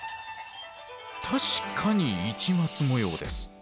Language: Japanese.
確かに市松模様です。